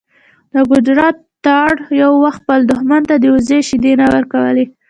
د ګجرات تارړ یو وخت خپل دښمن ته د وزې شیدې نه ورکولې.